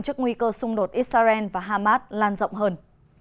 trước nguy cơ xung đột israel và hamas lan rộng hơn